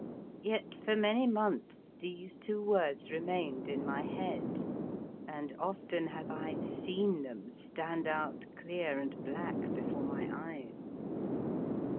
Yet for many months these two words remained in my head, and often have I seen them stand out clear and black before my eyes.